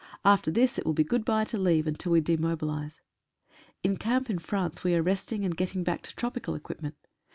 After this it will be good bye to leave until we demo bilise. In camp in France we are resting and getting back to tropical equipment.